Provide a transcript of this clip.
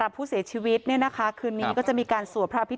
แล้วคุยกับลูกชายก็ได้